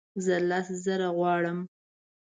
زه لس زره غواړم